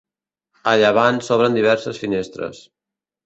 A llevant s'obren diverses finestres.